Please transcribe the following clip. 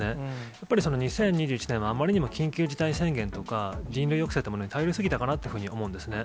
やっぱり２０２１年はあまりにも緊急事態宣言とか、人流抑制というものに頼りすぎたかなというふうに思うんですね。